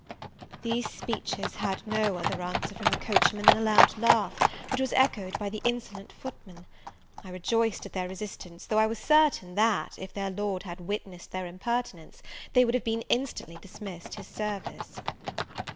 These speeches had no other answer from the coachman than a loud laugh, which was echoed by the insolent footmen. I rejoiced at their resistance; though I was certain that, if their Lord had witnessed their impertinence, they would have been instantly dismissed his service.